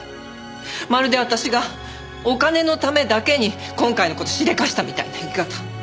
まるで私がお金のためだけに今回の事しでかしたみたいな言い方。